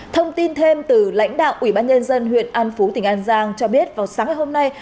thông tin thêm từ lãnh đạo ủy ban nhân dân huyện an phú tỉnh an giang cho biết vào sáng ngày hôm nay